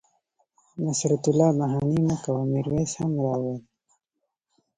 نصرت الله بهاني مه کوه میرویس هم را وله